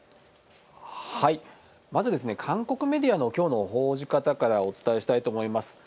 まず、韓国メディアのきょうの報じ方からお伝えしたいと思います。